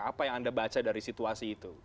apa yang anda baca dari situasi itu